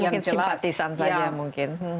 mungkin simpatisan saja mungkin